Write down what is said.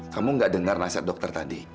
kamu gak dengar nasihat dokter tadi